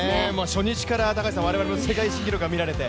初日から我々も世界新記録が見られて。